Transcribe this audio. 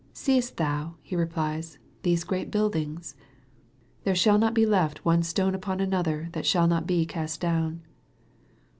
" Seest thou," He replies, " these great buildings ? There shall not be left one stone upon another, that shall not be cast down."